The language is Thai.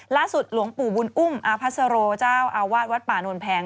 หลวงปู่บุญอุ้มอาพัสโรเจ้าอาวาสวัดป่านวลแพง